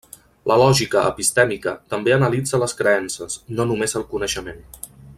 La lògica epistèmica també analitza les creences, no només el coneixement.